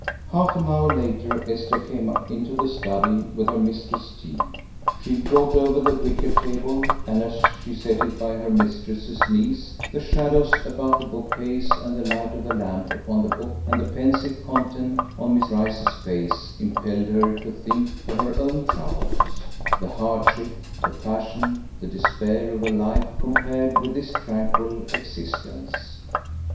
Half an hour later Esther came into the study with her mistress's tea. She brought over the wicker table, and as she set it by her mistress's knees the shadows about the bookcase and the light of the lamp upon the book and the pensive content on Miss Rice's face impelled her to think of her own troubles, the hardship, the passion, the despair of her life compared with this tranquil existence.